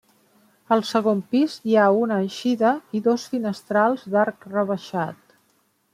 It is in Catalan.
Al segon pis hi ha una eixida i dos finestrals d'arc rebaixat.